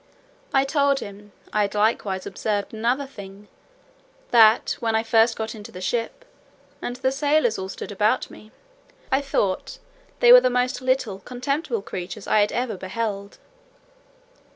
I told him, "I had likewise observed another thing, that, when I first got into the ship, and the sailors stood all about me, I thought they were the most little contemptible creatures I had ever beheld."